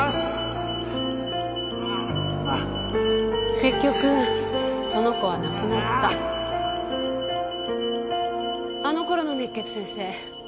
・結局その子は亡くなったあのころの熱血先生